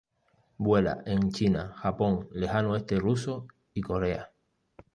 Vuela en China, Japón, Lejano este ruso y Corea.